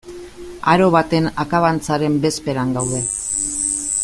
Aro baten akabantzaren bezperan gaude.